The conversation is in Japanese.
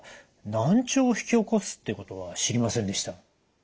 難聴を引き起こすっていうことは知りませんでした。